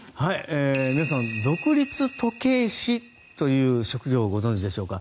皆さん独立時計師という職業をご存じでしょうか。